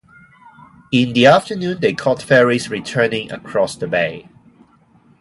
In the afternoon, they caught ferries returning across the bay.